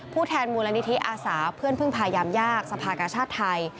แทนมูลนิธิอาสาเพื่อนพึ่งพายามยากสภากชาติไทย